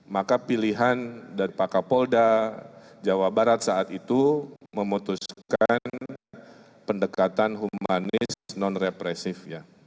maka pilihan dari pak kapolda jawa barat saat itu memutuskan pendekatan humanis non represif